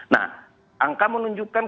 nah angka menunjukkan